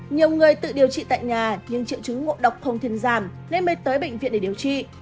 nhiều người tự điều trị tại nhà nhưng triệu chứng ngộ độc không thuyền giảm nên mới tới bệnh viện để điều trị